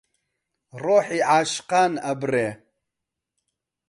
ڕۆحی عاشقان ئەبڕێ